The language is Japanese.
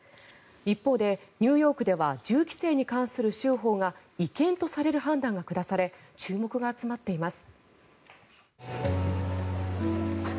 一方で、ニューヨークでは銃規制に関する州法が違憲とされる判断が下され注目が集まっています。